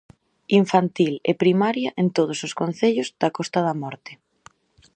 Infantil e primaria en todos os concellos da Costa da Morte.